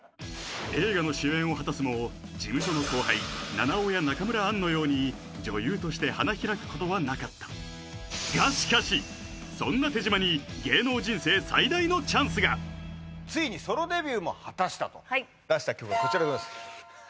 映画の主演を果たすも事務所の後輩菜々緒や中村アンのように女優として花開くことはなかったがしかしそんな手島についにソロデビューも果たしたとはい出した曲がこちらでございます